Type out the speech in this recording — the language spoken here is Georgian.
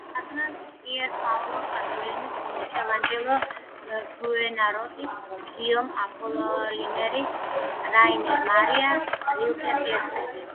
თარგმნა პიერ პაოლო პაზოლინის, მიქელანჯელო ბუონაროტის, გიიომ აპოლინერის, რაინერ მარია რილკეს ლექსები.